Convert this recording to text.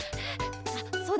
あっそうだ！